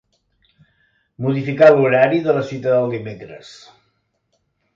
Modificar l'horari de la cita del dimecres.